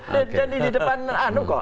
jangan jadi di depan anu kok